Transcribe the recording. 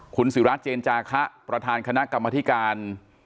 คุณศิราเจนจาคะประธานคณะกรรมธิการ